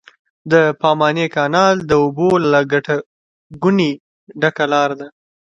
د پاماني کانال د اوبو له ګټه ګونې ډکه لاره ده.